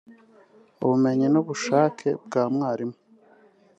ubumenyi n’ubushake bwa mwarimu